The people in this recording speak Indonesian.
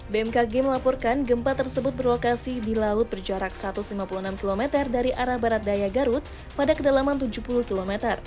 bmkg melaporkan gempa tersebut berlokasi di laut berjarak satu ratus lima puluh enam km dari arah barat daya garut pada kedalaman tujuh puluh km